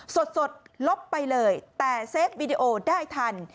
สดลบไปเลยแต่เซฟวิดีโอได้ทัน